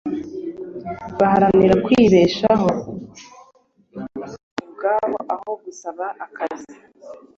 baharanira kwibeshaho ubwabo aho gusaba akazi